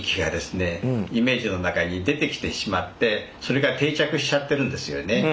イメージの中に出てきてしまってそれが定着しちゃってるんですよね。